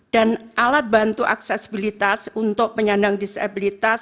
dan alat bantu aksesibilitas untuk penyandang disabilitas